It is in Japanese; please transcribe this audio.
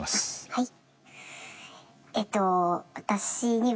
はい。